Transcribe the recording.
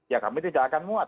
ya kami tidak akan muat